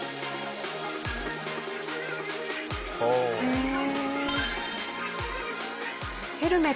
へえ！